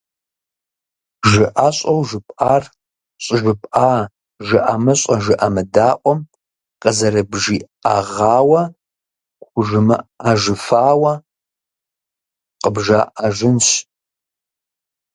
Жыӏэщӏэу жыпӏар щӏыжыпӏа жыӏэмыщӏэ-жыӏэмыдаӏуэм къызэрыбжиӏэгъауэ хужымыӏэжыфауэ къыбжаӏэжынщ.